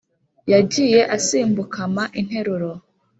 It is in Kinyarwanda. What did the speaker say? yagiye asimbukama interuro